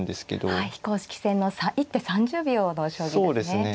はい非公式戦の一手３０秒の将棋ですね。